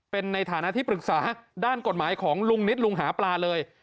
เป็นในฐานะที่ปรึกษาด้านกฎหมายของลุงนิดลุงหาปลาเลย